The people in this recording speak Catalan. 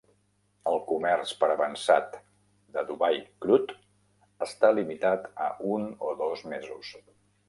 El comerç per avançat de Dubai Crude està limitat a un o dos mesos.